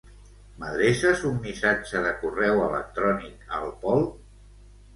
M'adreces un missatge de correu electrònic al Pol?